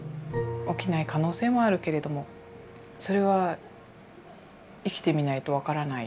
起きない可能性もあるけれどもそれは生きてみないと分からない。